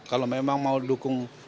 kalau memang mau dukung